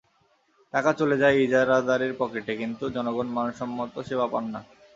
টাকা চলে যায় ইজারাদারের পকেটে, কিন্তু জনগণ মানসম্মত সেবা পান না।